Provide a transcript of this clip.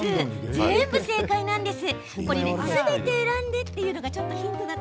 全部正解なんです。